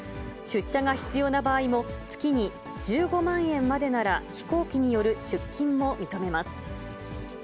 出社が必要な場合も、月に１５万円までなら、飛行機による出勤も認めます。